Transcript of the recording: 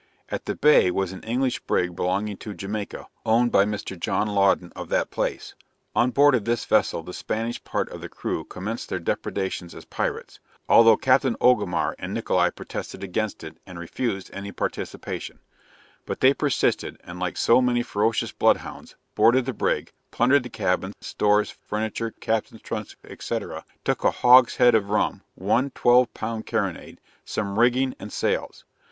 At the Bay was an English brig belonging to Jamaica, owned by Mr. John Louden of that place. On board of this vessel the Spanish part of the crew commenced their depredations as pirates, although Captain Orgamar and Nickola protested against it, and refused any participation; but they persisted, and like so many ferocious blood hounds, boarded the brig, plundered the cabin, stores, furniture, captain's trunk, &c., took a hogshead of rum, one twelve pound carronade, some rigging and sails.